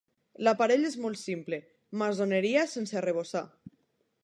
L'aparell és molt simple: maçoneria sense arrebossar.